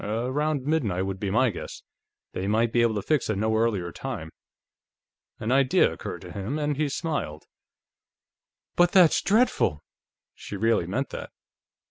Around midnight, would be my guess. They might be able to fix a no earlier time." An idea occurred to him, and he smiled. "But that's dreadful!" She really meant that.